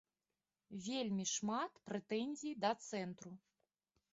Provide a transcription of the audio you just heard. Вельмі шмат прэтэнзій да цэнтру.